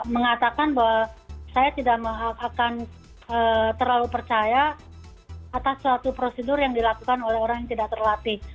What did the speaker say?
mengatakan bahwa saya tidak akan terlalu percaya atas suatu prosedur yang dilakukan oleh orang yang tidak terlatih